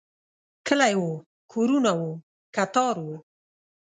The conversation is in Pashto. کلی و، کورونه و، کتار و